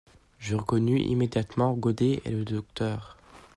Je reconnus immédiatement Godé et le docteur.